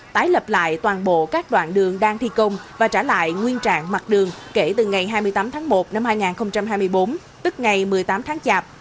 tái lập lại toàn bộ các đoạn đường đang thi công và trả lại nguyên trạng mặt đường kể từ ngày hai mươi tám tháng một năm hai nghìn hai mươi bốn tức ngày một mươi tám tháng chạp